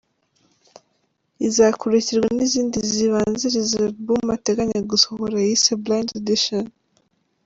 Izakurikirwa n’izindi zizabanziriza album ateganya gusohora yise "Blind Audition".